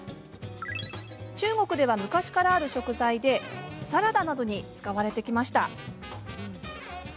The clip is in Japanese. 中国では昔からある食材でサラダなどに使われてきました。